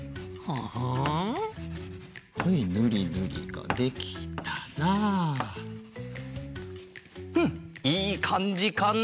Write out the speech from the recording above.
はいぬりぬりができたらうんいいかんじかな。